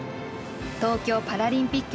東京パラリンピック